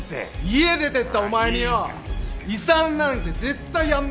家出てったお前によ遺産なんて絶対やんねえから。